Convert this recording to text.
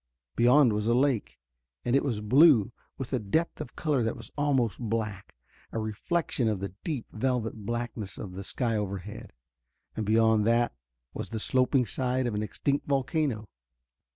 Beyond was a lake, and it was blue with a depth of color that was almost black, a reflection of the deep, velvet blackness of the sky overhead. And beyond that was the sloping side of an extinct volcano.